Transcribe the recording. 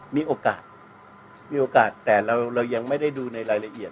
มีโอกาสมีโอกาสแต่เรายังไม่ได้ดูในรายละเอียด